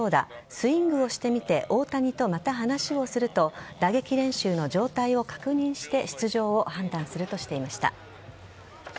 スイングをしてみて大谷とまた話をすると打撃練習の状態を確認して出場を判断するとしていました。